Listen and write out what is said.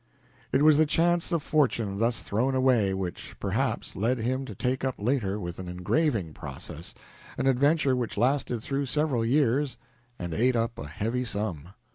It was the chance of fortune thus thrown away which, perhaps, led him to take up later with an engraving process an adventure which lasted through several years and ate up a heavy sum.